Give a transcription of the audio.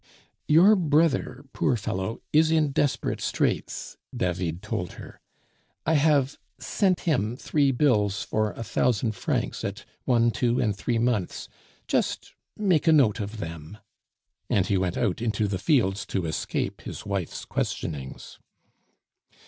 "Your brother, poor fellow, is in desperate straits," David told her. "I have sent him three bills for a thousand francs at one, two, and three months; just make a note of them," and he went out into the fields to escape his wife's questionings.